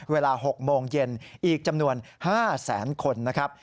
เวลา๖โมงเย็นอีกจำนวน๕แสนคนนะครับ